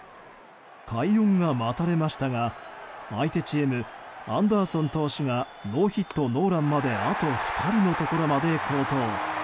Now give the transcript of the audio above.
快音が待たれましたが相手チーム、アンダーソン投手がノーヒットノーランまであと２人のところまで好投。